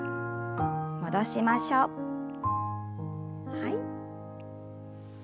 はい。